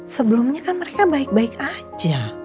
sebelumnya kan mereka baik baik aja